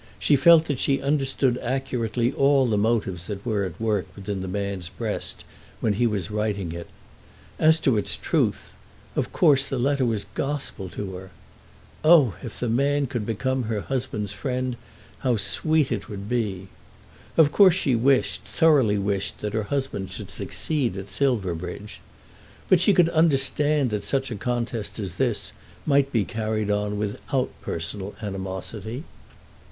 She felt that she understood accurately all the motives that were at work within the man's breast when he was writing it. As to its truth, of course the letter was gospel to her. Oh, if the man could become her husband's friend how sweet it would be! Of course she wished, thoroughly wished, that her husband should succeed at Silverbridge. But she could understand that such a contest as this might be carried on without personal animosity.